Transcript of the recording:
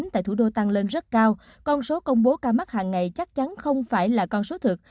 tại thủ đô tăng lên rất cao con số công bố ca mắc hàng ngày chắc chắn không phải là con số thực